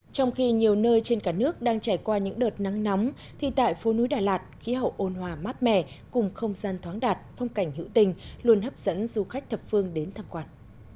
trong khi nhiều nơi trên cả nước đang trải qua những đợt nắng nóng thì tại phố núi đà lạt khí hậu ôn hòa mát mẻ cùng không gian thoáng đạt phong cảnh hữu tình luôn hấp dẫn du khách thập phương đến tham quan